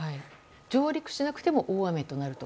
上陸しなくても大雨になると。